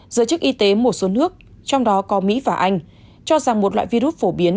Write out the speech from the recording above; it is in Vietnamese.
giới chức y tế một số nước trong đó có mỹ và anh cho rằng một loại virus phổ biến